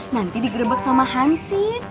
nanti digerebek sama hansin